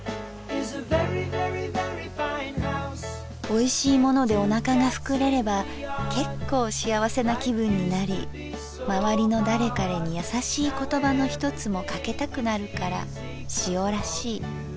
「おいしいものでおなかがふくれれば結構しあわせな気分になりまわりの誰彼にやさしい言葉の一つもかけたくなるからしおらしい」。